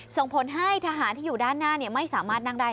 ส่งผลให้ทหารที่อยู่ด้านหน้าไม่สามารถนั่งได้